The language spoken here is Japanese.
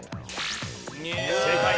正解。